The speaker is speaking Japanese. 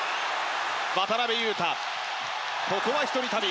渡邊雄太、ここは１人旅。